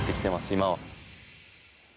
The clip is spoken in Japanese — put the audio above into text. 今は。